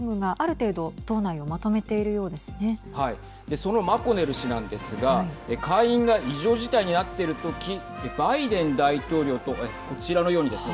そのマコネル氏なんですが下院が異常事態になっている時バイデン大統領とこちらのようにですね